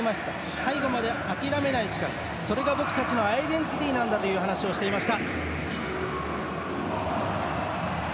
最後まで諦めない力それが僕たちのアイデンティティーなんだという話をしていました。